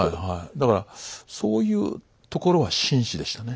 だからそういうところは真摯でしたね。